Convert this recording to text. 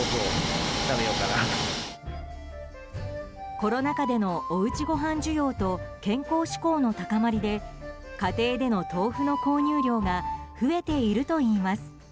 コロナ禍でのおうちごはん需要と健康志向の高まりで家庭での豆腐の購入量が増えているといいます。